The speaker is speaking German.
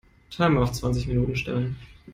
Timer auf zwanzig Minuten stellen.